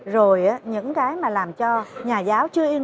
rồi những cái mà làm cho nhà giáo chưa in